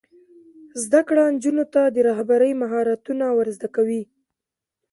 زده کړه نجونو ته د رهبرۍ مهارتونه ور زده کوي.